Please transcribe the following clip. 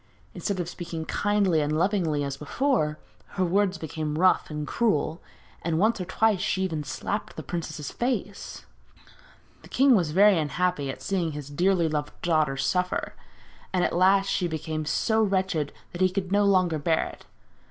Instead of speaking kindly and lovingly as before, her words became rough and cruel, and once or twice she even slapped the princess's face. The king was very unhappy at seeing his dearly loved daughter suffer, and at last she became so wretched that he could no longer bear it.